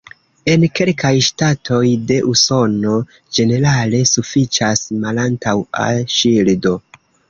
En kelkaj ŝtatoj de Usono ĝenerale sufiĉas malantaŭa ŝildo.